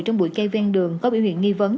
trong bụi cây ven đường có biểu hiện nghi vấn